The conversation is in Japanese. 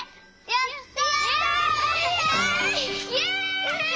やった！